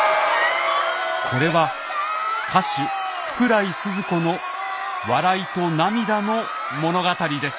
これは歌手福来スズ子の笑いと涙の物語です。